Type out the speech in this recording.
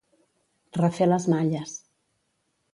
Refer les malles.